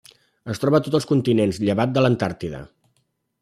Es troba a tots els continents, llevat de l'Antàrtida.